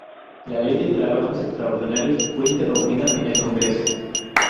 La ley de trabajos extraordinarios fue interrumpida en el Congreso.